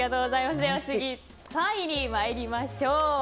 ３位に参りましょう。